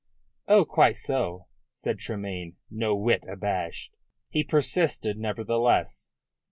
"Oh, quite so," said Tremayne, no whit abashed. He persisted nevertheless.